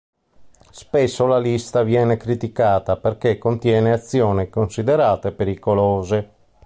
Spesso la lista viene criticata perché contiene azioni considerate pericolose.